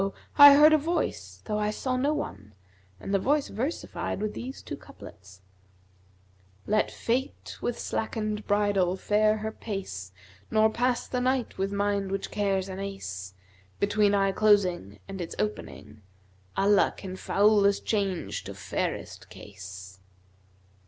I heard a Voice though I saw no one and the Voice versified with these two couplets, 'Let Fate with slackened bridle fare her pace, * Nor pass the night with mind which cares an ace Between eye closing and its opening, * Allah can foulest change to fairest case.'